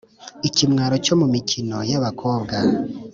ikimwaro cyo mu miko y’abakobwa